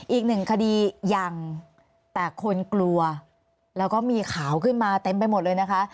อีกหนึ่งคดียังแต่คนกลัวแล้วก็มีข่าวขึ้นมาเต็มไปหมดเลยนะคะ